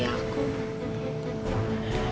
ya udah gua duluan ya